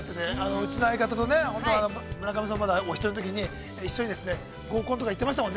うちの相方と村上さん、まだお一人のときに一緒に合コンとか行ってましたもんね。